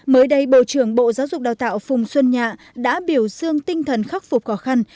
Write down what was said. mới đây bộ trưởng bộ giáo dục đào tạo phùng xuân nhạ đã biểu dương tinh thần khắc phục khó khăn